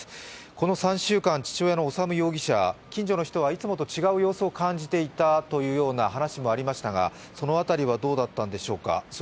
この３週間、父親の修容疑者近所の人はいつもと違う様子を感じていたというような話もありましたが、その辺りはどうだったんでしょうか？